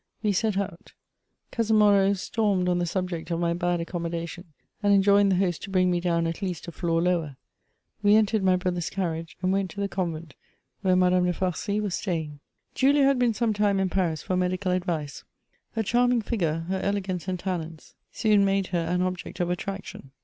We set out. Cousin Moreau stormed on the subject of my bad accommodation, and enjoined the host to bring me down at least a floor lower. We entered my. brother's carriage, and went to the convent where Madame de Farcy was sta3ring« Julia had been some time in Paris for medical advice. Her charming figure, her elegance and talents soon made her an object of attraction.